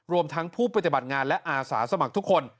รวมทั้งผู้ปฏิบัติงานและอาสาสมัครทุกคน